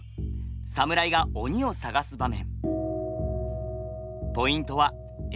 侍が鬼を探す場面。